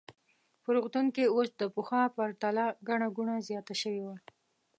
په روغتون کې اوس د پخوا په پرتله ګڼه ګوڼه زیاته شوې وه.